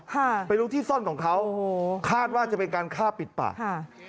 ค่ะไปรู้ที่ซ่อนของเขาโอ้โหคาดว่าจะเป็นการฆ่าปิดปากค่ะ